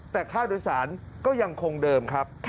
แต่ค่าโดยสารก็ยังคงเดิมครับ